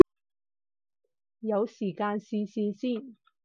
有時間試試先